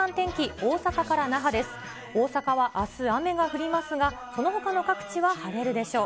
大阪はあす雨が降りますが、そのほかの各地は晴れるでしょう。